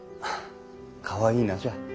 かわいい名じゃ。